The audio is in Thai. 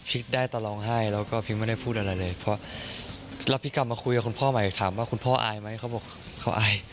ได้แต่ร้องไห้แล้วก็พี่ไม่ได้พูดอะไรเลยเพราะแล้วพี่กลับมาคุยกับคุณพ่อใหม่ถามว่าคุณพ่ออายไหมเขาบอกเขาอาย